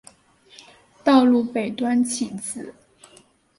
道路北端起自。